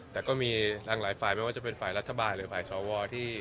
แต่ก็มีทั้งหลายฝ่ายไม่ว่าจะเป็นฝ่ายรัฐบาลหรือฝ่ายสวที่